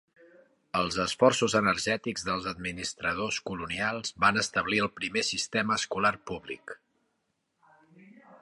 Els esforços energètics dels administradors colonials van establir el primer sistema escolar públic.